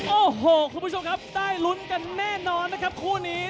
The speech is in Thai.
โอ้โหคุณผู้ชมครับได้ลุ้นกันแน่นอนนะครับคู่นี้